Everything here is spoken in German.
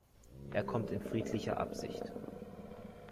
Er kommt in friedlicher Absicht.